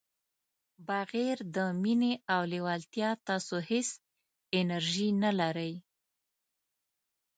بغير د مینې او لیوالتیا تاسو هیڅ انرژي نه لرئ.